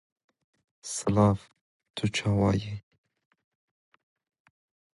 There is a memorial plaque in honor of its most famous student, Mikhail Lomonosov.